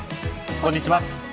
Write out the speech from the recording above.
こんにちは。